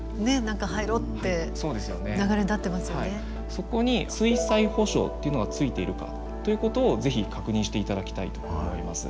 そこに水災補償っていうのがついているかということを是非確認していただきたいと思います。